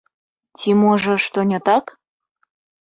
Ці, можа, што не так?